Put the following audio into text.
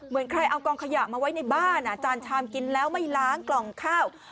เหมือนใครเอากองขยะมาไว้ในบ้านจานชามกินแล้วไม่ล้างกล่องข้าว